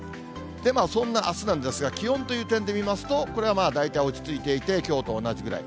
そんなあすなんですが、気温という点で見ますと、これは大体落ち着いていて、きょうと同じくらい。